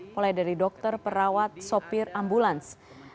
mulai dari dokter perawat sopir ambulans